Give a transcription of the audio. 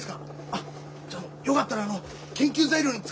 あっじゃよかったらあの研究材料に使ってください。